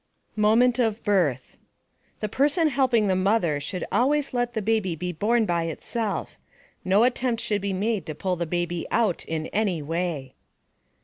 MOMENT OF BIRTH _The person helping the mother should always let the baby be born by itself. No attempt should be made to pull the baby out in any way.